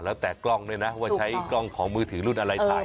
แล้วแต่กล้องด้วยนะว่าใช้กล้องของมือถือรุ่นอะไรถ่าย